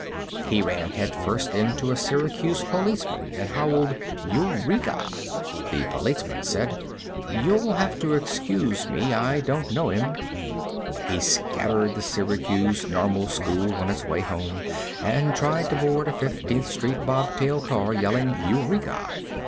He ran head first into a Syracuse policeman and howled "Eureka!" The policeman said: "You'll have to excuse me; I don't know him." He scattered the Syracuse Normal school on its way home, and tried to board a Fifteenth street bob tail car, yelling "Eureka!"